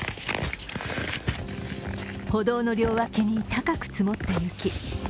歩道の両脇に高く積もった雪。